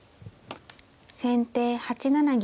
先手８七銀。